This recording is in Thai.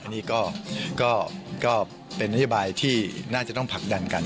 อันนี้ก็เป็นนโยบายที่น่าจะต้องผลักดันกัน